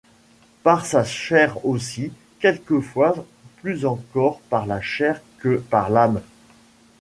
Par sa chair aussi, quelquefois plus encore par la chair que par l’âme.